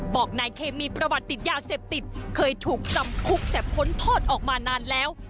บอกนายเคมีประวัติติดยาเสพติดเคยถูกจำคุกแต่พ้นโทษออกมานานแล้ว